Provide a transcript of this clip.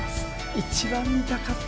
一番見たかった！